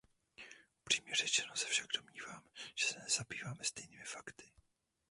Upřímně řečeno se však domnívám, že se nezabýváme stejnými fakty.